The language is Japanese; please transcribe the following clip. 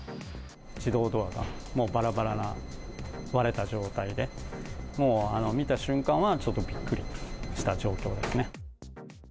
自動ドアがもうばらばらな、割れた状態で、もう、見た瞬間はちょっとびっくりした状況ですね。